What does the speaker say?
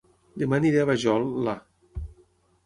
Dema aniré a Vajol, la